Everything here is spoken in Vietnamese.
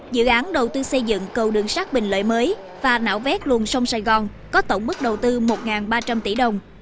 dự án đầu tư xây dựng cầu đường sát bình lợi mới và não vét luồng sông sài gòn có tổng mức đầu tư một ba trăm linh tỷ đồng